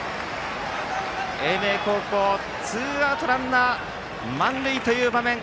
英明高校、ツーアウトランナー満塁という場面